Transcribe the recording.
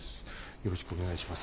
よろしくお願いします。